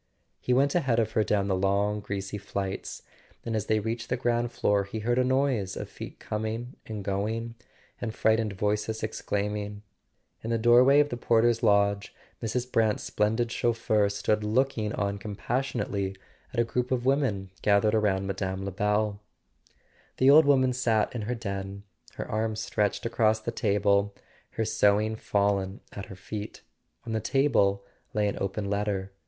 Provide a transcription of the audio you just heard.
He went ahead of her down the long greasy flights, and as they reached the ground floor he heard a noise of feet coming and going, and frightened voices ex¬ claiming. In the doorway of the porter's lodge Mrs. Brant's splendid chauffeur stood looking on compas¬ sionately at a group of women gathered about Mme. Lebel. The old woman sat in her den, her arms stretched across the table, her sewing fallen at her feet. On the table lay an open letter.